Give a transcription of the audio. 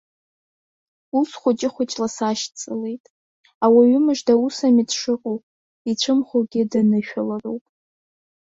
Ус, хәыҷы-хәыҷла сашьцылеит, ауаҩы мыжда ус ами дшыҟоу, ицәымӷугьы данышәала-роуп.